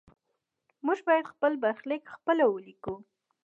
موږ باید خپل برخلیک خپله ولیکو.